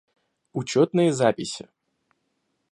Учетные записи